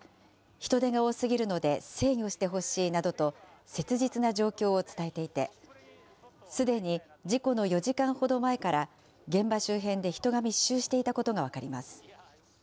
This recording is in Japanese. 人出が多すぎるので、制御してほしいなどと、切実な状況を伝えていて、すでに事故の４時間ほど前から、現場周辺で人が密集していたことが分かります。